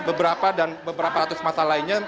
beberapa dan beberapa ratus masa lainnya